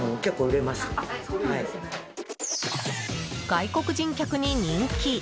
外国人客に人気！